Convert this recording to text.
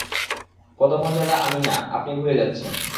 পদমর্যাদা আমি না, আপনি ভুলে যাচ্ছেন।